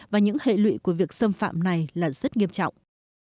và những hệ lụy của việc xâm phạm này là rất nghiêm trọng